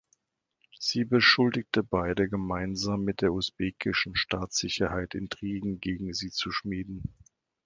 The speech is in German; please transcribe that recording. Sie beschuldigte beide, gemeinsam mit der usbekischen Staatssicherheit Intrigen gegen sie zu schmieden.